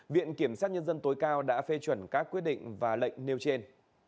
viện kiểm sát nhân dân tối cao đã phê chuẩn các quyết định và lệnh nêu trên